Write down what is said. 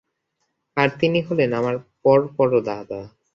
আর তিনি হলেন আমার পর-পরদাদা।